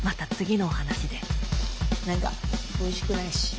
何かおいしくないしやめます。